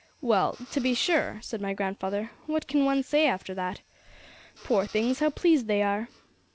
'Well, to be sure,' said my grandfather, 'what can one say after that? Poor things, how pleased they are!